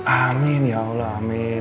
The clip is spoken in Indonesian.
amin ya allah amin